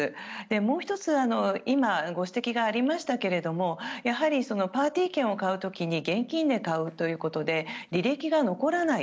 もう１つ、今ご指摘がありましたけれどもやはりパーティー券を買う時に現金で買うということで履歴が残らない